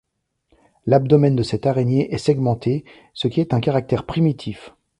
L'abdomen de cette araignée est segmenté, ce qui est un caractère primitif.